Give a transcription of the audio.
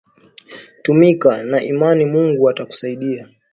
Tumika na imani Mungu atakusaidia